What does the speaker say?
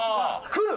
「来る」！